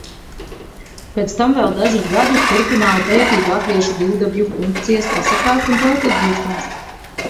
Pēc tam vēl dažus gadus turpināju pētīt latviešu divdabju funkcijas pasakās un tautas dziesmās.